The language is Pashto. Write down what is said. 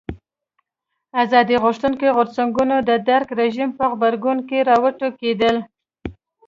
ازادي غوښتونکي غورځنګونه د درګ رژیم په غبرګون کې راوټوکېدل.